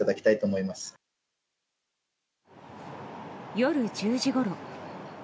夜１０時ごろ。